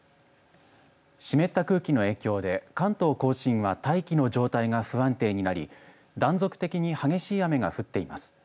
湿った空気の影響で関東甲信は大気の状態が不安定になり断続的に激しい雨が降っています。